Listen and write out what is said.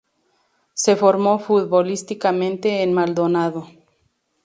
Se formó futbolísticamente en Maldonado.